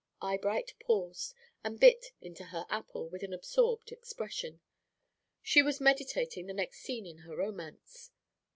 '" Eyebright paused, and bit into her apple with an absorbed expression. She was meditating the next scene in her romance.